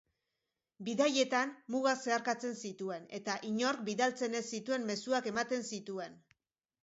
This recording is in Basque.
Bidaietan mugak zeharkatzen zituen eta inork bidaltzen ez zituen mezuak ematen zituen.